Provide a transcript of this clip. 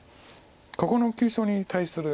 ここの急所に対する。